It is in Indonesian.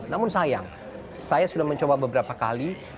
namun sayang saya sudah mencoba beberapa kali